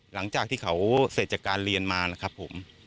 หลังจากที่เขาเสร็จจากการเรียนมานะครับผม